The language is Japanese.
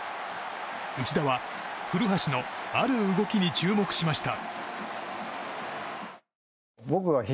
内田は、古橋のある動きに注目しました。